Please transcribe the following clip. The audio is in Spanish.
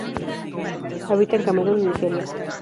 Habita en Camerún y Nigeria.